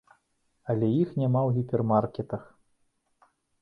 Але іх няма ў гіпермаркетах!